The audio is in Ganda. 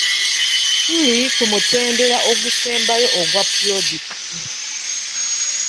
Tuli ku mutendera ogusembayo ogwa pulojekiti.